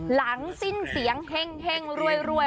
หลังสิ้นเสียงเฮ่งรวย